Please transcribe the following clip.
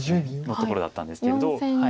のところだったんですけれど。